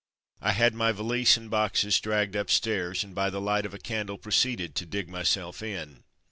I had my valise and boxes dragged up stairs, and by the light of a candle pro ceeded to ''dig myself in.''